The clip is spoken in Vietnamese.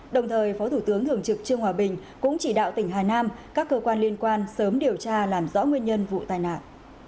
đồng thời phó thủ tướng thường trực trương hòa bình cũng chỉ đạo tỉnh hà nam các cơ quan liên quan sớm điều tra làm rõ nguyên nhân vụ tai nạn